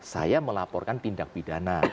saya melaporkan tindak pidana